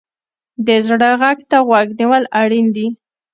د زړه غږ ته غوږ نیول اړین دي.